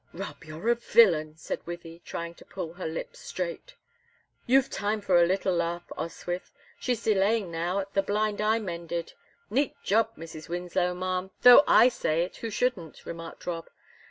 "Rob, you're a villain!" said Wythie, trying to pull her lips straight. "You've time for a little laugh, Oswyth; she's delaying now at the blind I mended neat job, Mrs. Winslow, ma'am, though I say it who shouldn't," remarked Rob.